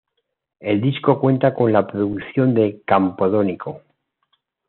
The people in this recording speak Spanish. El disco cuenta con la producción de Campodónico.